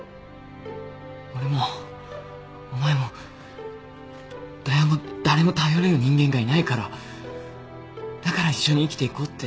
俺もお前も誰も誰も頼れる人間がいないからだから一緒に生きていこうって。